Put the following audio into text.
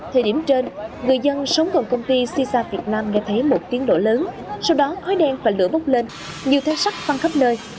thời điểm trên người dân sống cùng công ty sisa việt nam nghe thấy một tiếng nổ lớn sau đó khói đen và lửa bốc lên nhiều thấy sắc văn khắp nơi